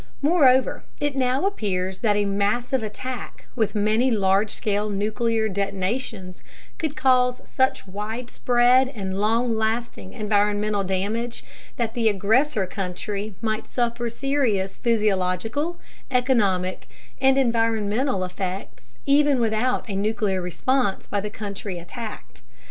Moreover, it now appears that a massive attack with many large scale nuclear detonations could cause such widespread and long lasting environmental damage that the aggressor country might suffer serious physiological, economic, and environmental effects even without a nuclear response by the country attacked.